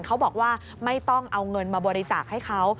เขาบอกว่าไม่ต้องเอาเงินมาบริจาคให้เขา